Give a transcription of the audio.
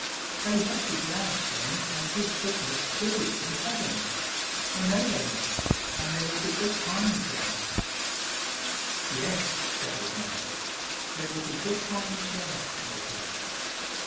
They must be glad, then, and keep Christmas, too, in heaven. I know they must, and there will be good times there." "Yes," said his mother; "there will be good times there, Roger."